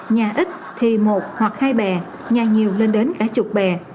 nhà ít thì một hoặc hai bè nhà nhiều lên đến cả chục bè